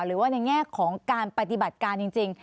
หรือว่าในแง่ของการปฏิบัติการจริง